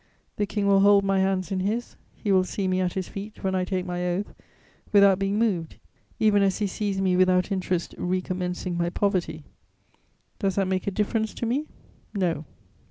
The King will hold my hands in his, he will see me at his feet, when I take my oath, without being moved, even as he sees me without interest recommencing my poverty. Does that make a difference to me? No.